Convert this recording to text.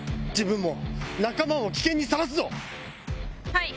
はい。